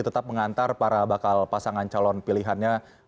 tetap mengantar para bakal pasangan calon pilihannya